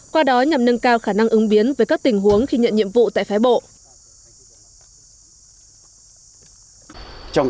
qua đó nhằm nâng cao khả năng ứng biến về các tình huống khi nhận nhiệm vụ tại phái bộ